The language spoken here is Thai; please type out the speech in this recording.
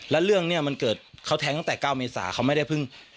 แล้วเรื่องนี้มันเกิดเขาแท้งตั้งแต่๙เมษาเขาไม่ได้เพิ่ง